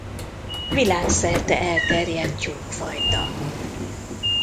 Világszerte elterjedt tyúkfajta.